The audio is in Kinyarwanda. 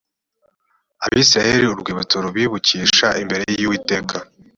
abisirayeli urwibutso rubibukisha imbere y uwiteka